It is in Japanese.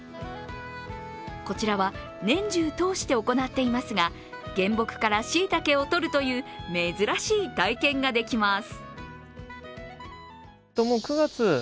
こちらは年中通して行っていますが、原木からしいたけを取るという珍しい体験ができます。